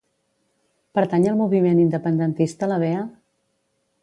Pertany al moviment independentista la Bea?